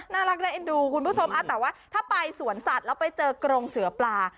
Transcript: น่ารักน่าเอ็นดูคุณผู้ชมแต่ว่าถ้าไปสวนสัตว์แล้วไปเจอกรงเสือปลา